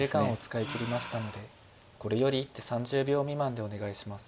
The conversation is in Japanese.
使い切りましたのでこれより一手３０秒未満でお願いします。